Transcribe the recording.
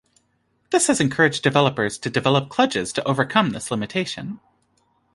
This has encouraged developers to develop kludges to overcome this limitation.